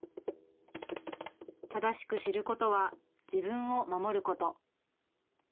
正しく知ることは自分を守ること。